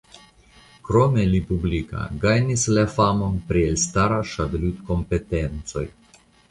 Krome li publika gajnis la famon pri elstara ŝakludkompetencoj.